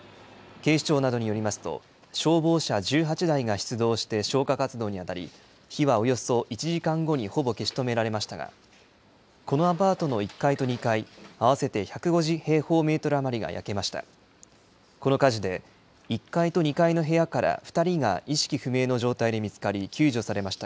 警視庁などによりますと、消防車１８台が出動して消火活動に当たり、火はおよそ１時間後にほぼ消し止められましたが、このアパートの１階と２階合わせて１５０平方メートル余りが焼けました。